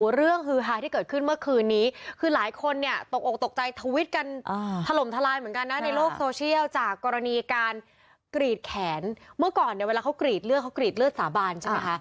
เรื่องฮือฮาที่เกิดขึ้นเมื่อคืนนี้คือหลายคนเนี่ยตกออกตกใจทวิตกันถล่มทลายเหมือนกันนะในโลกโซเชียลจากกรณีการกรีดแขนเมื่อก่อนเนี่ยเวลาเขากรีดเลือดเขากรีดเลือดสาบานใช่ไหมคะ